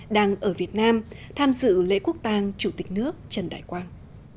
đang ở việt nam tham dự lễ quốc tàng chủ tịch nước trần đại quang